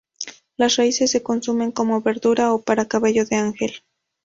Las raíces se consumen como verdura o para cabello de ángel.